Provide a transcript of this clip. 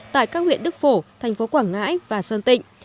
tại các huyện đức phổ tp quảng ngãi và sơn tịnh